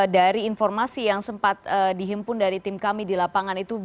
dari informasi yang sempat dihimpun dari tim kami di lapangan itu